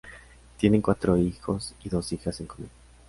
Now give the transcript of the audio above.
Tienen cuatro hijos y dos hijas en común.